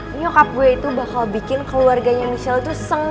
tapi nyokap gue itu bakal bikin keluarganya michelle itu sengsara